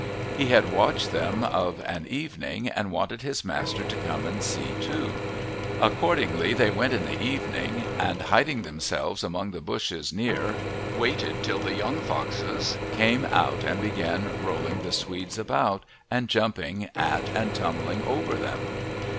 He had watched them of an evening, and wanted his master to come and see too. Accordingly they went in the evening, and hiding themselves among the bushes near waited till the young foxes came out and began rolling the swedes about and jumping at and tumbling over them.